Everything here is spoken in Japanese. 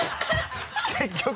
結局。